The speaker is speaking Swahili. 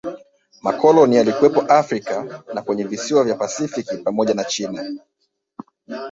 Makoloni yalikuwepo Afrika na kwenye visiwa vya pasifiki pamoja na China